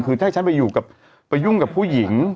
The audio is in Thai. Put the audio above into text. คือถ้าฉันไปยุ่งกับผู้หญิง